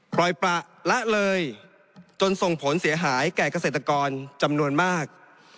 ปล่อยประละเลยจนส่งผลเสียหายแก่เกษตรกรจำนวนมาก